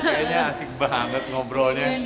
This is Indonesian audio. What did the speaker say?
kayaknya asik banget ngobrolnya